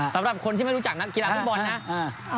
สำหรับคนที่ไม่รู้จักนักกีฬาฟุตบอลนะ